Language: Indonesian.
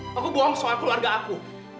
aku bohong soal keluarga aku